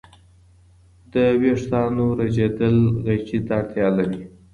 د وریښتانو رژیدل قیچي ته اړتیا لري.